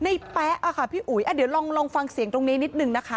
แป๊ะค่ะพี่อุ๋ยเดี๋ยวลองฟังเสียงตรงนี้นิดนึงนะคะ